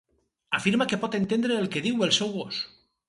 Afirma que pot entendre el que diu el seu gos